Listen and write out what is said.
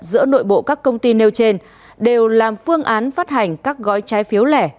giữa nội bộ các công ty nêu trên đều làm phương án phát hành các gói trái phiếu lẻ